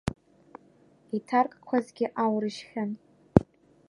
Иҭаркқәазгьы аурыжьхьан.